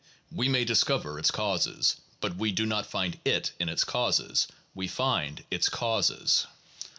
We may discover its causes, but we do not find it in its causes; we find its causes.